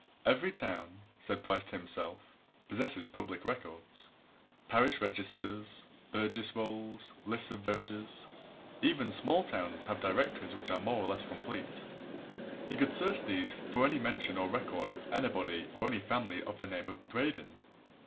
Every town, said Bryce to himself, possesses public records parish registers, burgess rolls, lists of voters; even small towns have directories which are more or less complete he could search these for any mention or record of anybody or any family of the name of Braden.